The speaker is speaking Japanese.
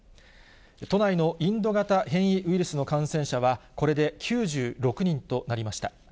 都内のインド型変異ウイルスの感染者は、これで９６人となりました。